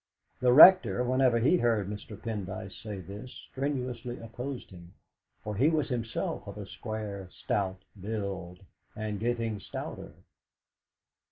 The Rector, whenever he heard Mr. Pendyce say this, strenuously opposed him, for he was himself of a square, stout build, and getting stouter.